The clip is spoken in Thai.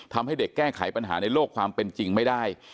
ทำให้เด็กแก้ไขปัญหาในโลกความเป็นจริงไม่ได้